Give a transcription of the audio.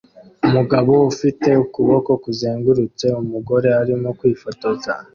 umugabo ufite ukuboko kuzengurutse umugore arimo kwifotoza